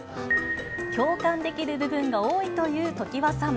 共感できる部分が多いという常盤さん。